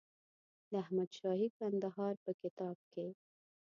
د احمدشاهي کندهار په کتاب کې.